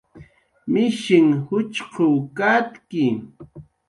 Mishinh juchqw katki